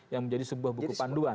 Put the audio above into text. yang menjadi sebuah buku panduan